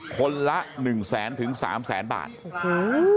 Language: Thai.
คนละหนึ่งแสนถึงสามแสนบาทโอ้โห